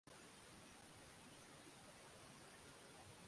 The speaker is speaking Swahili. Upande wa Magharibi mvua huongezeka hadi kufikia wastani milimeta